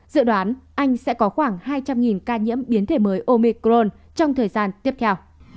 dự đoán anh sẽ có khoảng hai trăm linh ca nhiễm biến thể mới omicron trong thời gian tiếp theo